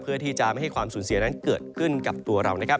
เพื่อที่จะไม่ให้ความสูญเสียนั้นเกิดขึ้นกับตัวเรานะครับ